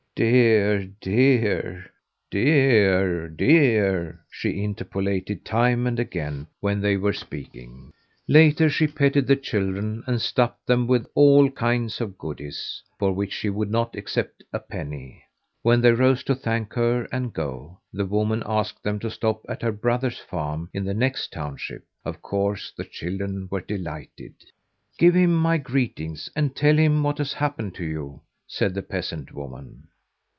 "Dear, dear! Dear, dear!" she interpolated time and again when they were speaking. Later she petted the children and stuffed them with all kinds of goodies, for which she would not accept a penny. When they rose to thank her and go, the woman asked them to stop at her brother's farm in the next township. Of course the children were delighted. "Give him my greetings and tell him what has happened to you," said the peasant woman.